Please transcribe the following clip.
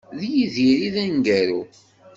D Yidir i d aneggaru.